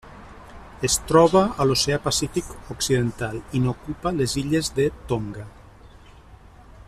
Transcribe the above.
Es troba a l'Oceà Pacífic occidental, i n'ocupa les illes de Tonga.